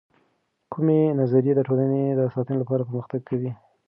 کومې نظریې د ټولنې د ساتنې لپاره پر مختګ کوي؟